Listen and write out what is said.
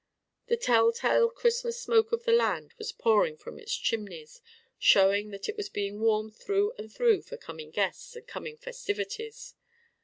The tell tale Christmas smoke of the land was pouring from its chimneys, showing that it was being warmed through and through for coming guests and coming festivities.